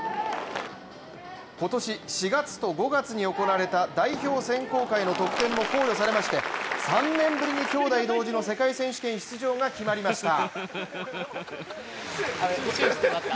今年４月と５月に行われた代表選考会の得点も考慮されまして３年ぶりに兄弟同時の世界選手権出場が決まりました。